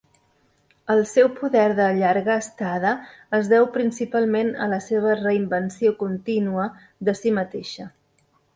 El seu poder de llarga estada es deu principalment a la seva re-invenció contínua de si mateixa.